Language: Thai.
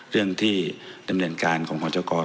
เรื่องที่ดำเนินการของพจกร